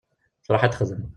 Truḥ ad texdem.